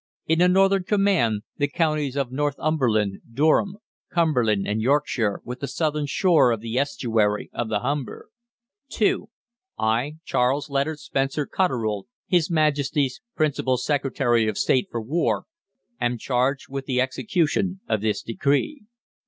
In the Northern Command, the counties of Northumberland, Durham, Cumberland, and Yorkshire, with the southern shore of the estuary of the Humber. (2) I, Charles Leonard Spencer Cotterell, his Majesty's Principal Secretary of State for War, am charged with the execution of this Decree.